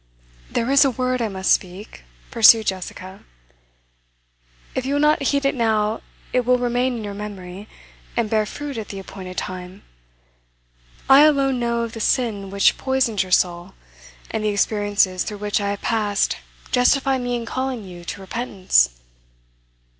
'There is a word I must speak,' pursued Jessica. 'If you will not heed it now, it will remain in your memory, and bear fruit at the appointed time. I alone know of the sin which poisons your soul, and the experiences through which I have passed justify me in calling you to repentance.